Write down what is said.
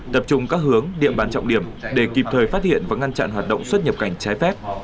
tập trung các hướng địa bàn trọng điểm để kịp thời phát hiện và ngăn chặn hoạt động xuất nhập cảnh trái phép